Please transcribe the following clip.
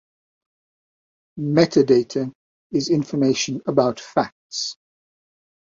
Metadata is information about facts.